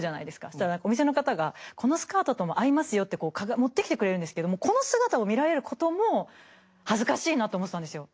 そしたらお店の方が「このスカートとも合いますよ」って持ってきてくれるんですけどもうこの姿を見られることも恥ずかしいなって思ってたんですよ。